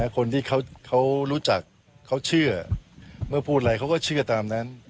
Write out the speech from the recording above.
คนที่เขารู้จักเขาเชื่อเมื่อพูดอะไรเขาก็เชื่อตามนั้น